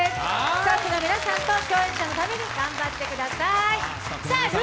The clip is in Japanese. スタッフの皆さんと共演者のために頑張ってください。